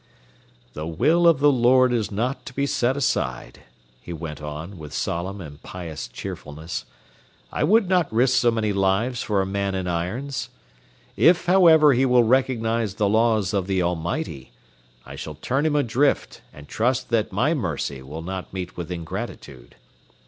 "The will of the Lord is not to be set aside," he went on, with solemn and pious cheerfulness. "I would not risk so many lives for a man in irons. If, however, he will recognize the laws of the Almighty, I shall turn him adrift and trust that my mercy will not meet with ingratitude.